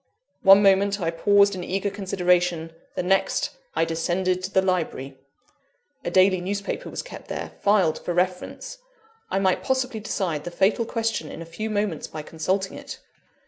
One moment I paused in eager consideration the next, I descended to the library. A daily newspaper was kept there, filed for reference. I might possibly decide the fatal question in a few moments by consulting it.